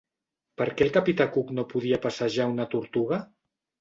Per què el capità Cook no podia passejar una tortuga?